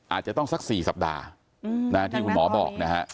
อาจจะต้องสัก๔สัปดาห์ที่คุณหมอบอกนะฮะ